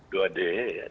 dua d ya